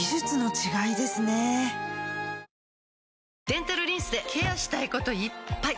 デンタルリンスでケアしたいこといっぱい！